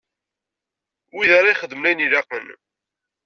Wid ara ixedmen ayen ilaqen.